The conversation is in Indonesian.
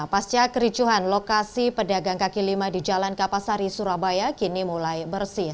pasca kericuhan lokasi pedagang kaki lima di jalan kapasari surabaya kini mulai bersih